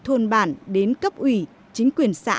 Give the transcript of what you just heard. từ thôn bản đến cấp ủy chính quyền xã